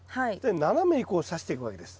斜めにこうさしていくわけです。